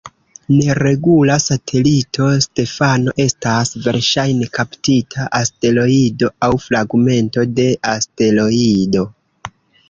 Neregula satelito, Stefano estas verŝajne kaptita asteroido aŭ fragmento de asteroido.